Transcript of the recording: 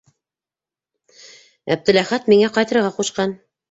Әптеләхәт миңә ҡайтырға ҡушҡан.